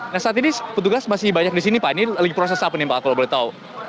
nah saat ini petugas masih banyak di sini pak ini lagi proses apa nih pak kalau boleh tahu